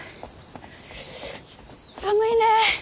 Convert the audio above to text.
寒いね。